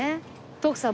徳さん